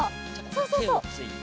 そうそうそう。